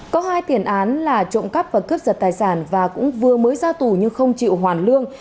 có hai tiền án là trộm cắp và cướp giật tài sản và cũng vừa mới ra tù nhưng không chịu hoàn lương